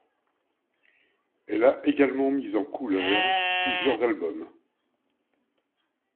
Elle a également mis en couleurs plusieurs albums.